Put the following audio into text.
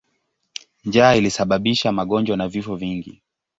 Njaa ilisababisha magonjwa na vifo vingi.